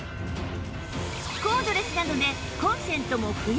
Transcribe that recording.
コードレスなのでコンセントも不要